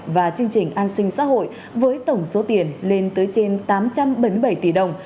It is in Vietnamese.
và chương trình an sinh xã hội với tổng số tiền lên tới trên tám trăm bảy mươi bảy tỷ đồng